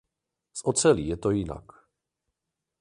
S ocelí je to jinak.